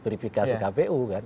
perifikasi kpu kan